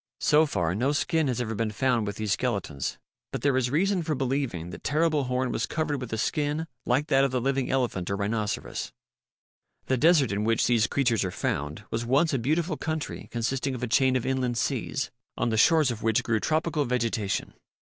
So far no skin has ever been found with these skeletons, but there is reason for believing that Terrible Horn was covered with a skin like that of the living elephant or rhinoceros. The desert in which these creatures are found was once a beautiful country consisting of a chain of inland seas, on the shores of which grew tropical vegetation.